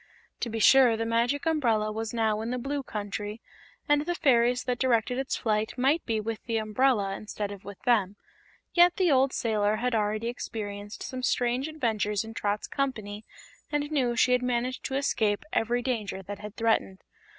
To be sure, the Magic Umbrella was now in the Blue Country, and the fairies that directed its flight might be with the umbrella instead of with them, yet the old sailor had already experienced some strange adventures in Trot's company and knew she had managed to escape every danger that had threatened.